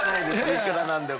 いくらなんでも。